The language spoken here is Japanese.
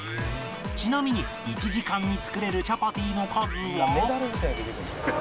ちなみに１時間に作れるチャパティの数は